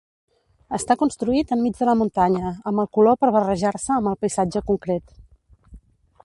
Està construït enmig de la muntanya amb el color per barrejar-se amb el paisatge concret.